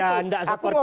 ya nggak seperti itu